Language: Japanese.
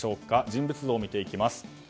人物像を見ていきます。